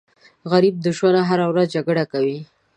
غریب د ژوند هره ورځ جګړه کوي